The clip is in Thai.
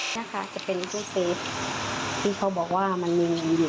นะคะจะเป็นตู้เซฟที่เขาบอกว่ามันมีเงินอยู่